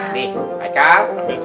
nah nih aikal